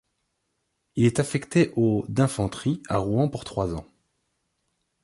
Il est affecté au d'infanterie à Rouen pour trois ans.